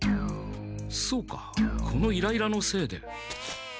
そうかこのイライラのせいで。